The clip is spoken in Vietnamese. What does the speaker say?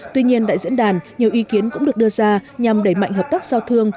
tuy nhiên tại diễn đàn nhiều ý kiến cũng được đưa ra nhằm đẩy mạnh hợp tác giao thương